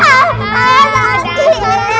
neng kamu juga